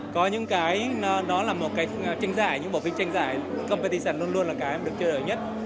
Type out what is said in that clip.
có những bộ phim tranh giải competition luôn luôn là cái được chơi đổi nhất